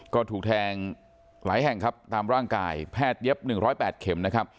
ก็ถูกแทงหลายแห่งครับตามร่างกายแพทย์เย็บ๑๐๘เข็มนะครับ